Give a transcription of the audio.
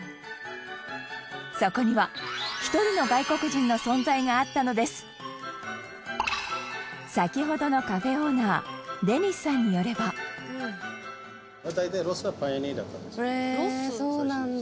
そこには、１人の外国人の存在があったのです先ほどのカフェオーナーデニスさんによれば羽田：そうなんだ！